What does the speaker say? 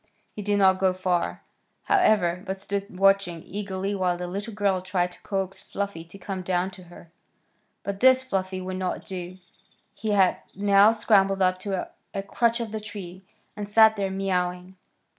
He did not go far, however, but stood watching eagerly while the little girl tried to coax Fluffy to come down to her. But this Fluffy would not do. He had now scrambled up to a crotch of the tree, and sat there mewing.